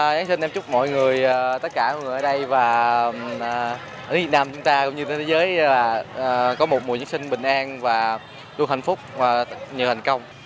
giáng sinh em chúc mọi người tất cả mọi người ở đây và ở việt nam chúng ta cũng như thế giới là có một mùa giáng sinh bình an và luôn hạnh phúc và nhiều thành công